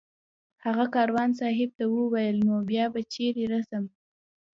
هغه کاروان صاحب ته وویل نو بیا به چېرې رسم